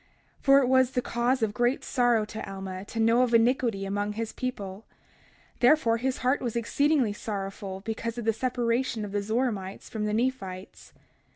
31:2 For it was the cause of great sorrow to Alma to know of iniquity among his people; therefore his heart was exceedingly sorrowful because of the separation of the Zoramites from the Nephites.